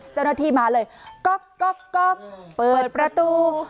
เจ้าหน้าที่มาเลยก๊อกเปิดประตู